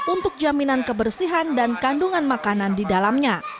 untuk jaminan kebersihan dan kandungan